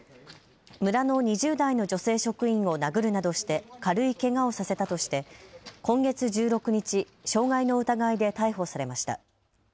村の２０代の女性職員を殴るなどして軽いけがをさせたとして今月１６日、傷害の疑いで逮捕されました。